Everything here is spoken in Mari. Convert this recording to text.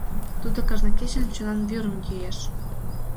Тудо кажне кечын чонан вӱрым йӱэш.